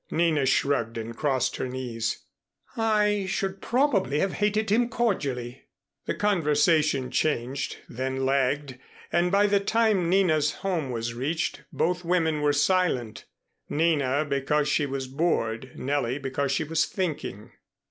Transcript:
Nina shrugged and crossed her knees. "I should probably have hated him cordially." The conversation changed, then lagged, and by the time Nina's home was reached both women were silent, Nina because she was bored, Nellie because she was thinking.